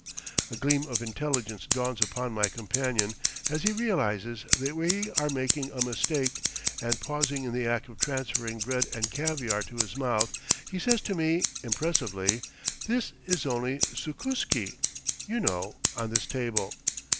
A gleam of intelligence dawns upon my companion as he realizes that we are making a mistake, and pausing in the act of transferring bread and caviare to his mouth, he says to me, impressively: "This is only sukuski, you know, on this table."